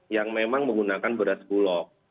yang memang menggunakan beras bulog